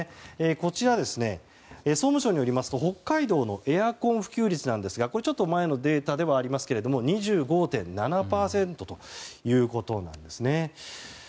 こちら、総務省によりますと北海道のエアコン普及率なんですがちょっと前のデータではありますが２５．７％ということなんです。